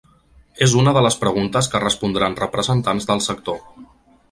És una de les preguntes que respondran representants del sector.